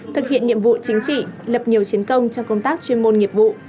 thực hiện nhiệm vụ chính trị lập nhiều chiến công trong công tác chuyên môn nghiệp vụ